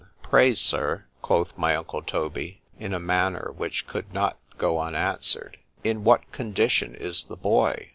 Pray, Sir, quoth my uncle Toby, in a manner which could not go unanswered,—in what condition is the boy?